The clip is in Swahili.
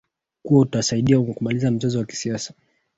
kuwa utasaidia kumaliza mzozo wa kisiasa